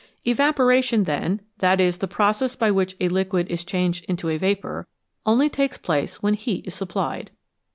Evaporation, then that is, the process by which a liquid is changed into a vapour only takes place when heat is supplied.